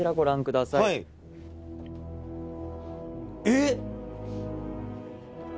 えっ？